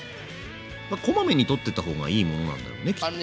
こまめに取ってった方がいいものなんだよねきっと。